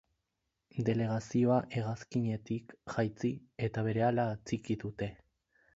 Delegazioa hegazkinetik jaitsi eta berehala atxiki dute.